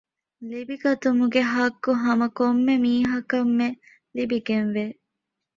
ލިބިގަތުމުގެ ޙައްޤު ހަމަ ކޮންމެ މީހަކަށްމެ ލިބިގެންވޭ